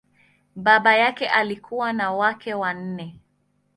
Baba yake alikuwa na wake wanne.